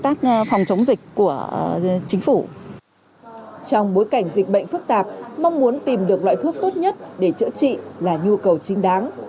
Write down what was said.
trong bối cảnh dịch bệnh phức tạp mong muốn tìm được loại thuốc tốt nhất để chữa trị là nhu cầu chính đáng